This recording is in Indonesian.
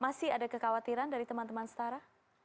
masih ada kekhawatiran dari teman teman setara